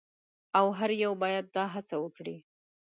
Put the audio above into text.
او هر یو باید دا هڅه وکړي.